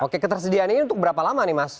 oke ketersediaan ini untuk berapa lama nih mas